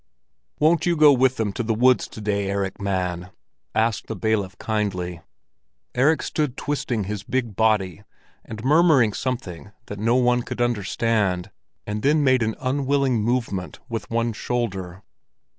"Won't you go with them to the woods to day, Erik man?" asked the bailiff kindly. Erik stood twisting his big body and murmuring something that no one could understand, and then made an unwilling movement with one shoulder.